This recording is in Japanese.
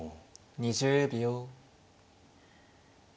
２０秒。